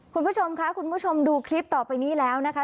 คุณผู้ชมค่ะคุณผู้ชมดูคลิปต่อไปนี้แล้วนะคะ